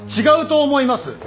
違うと思います。